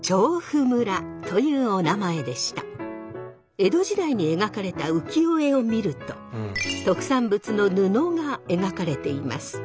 江戸時代に描かれた浮世絵を見ると特産物の布が描かれています。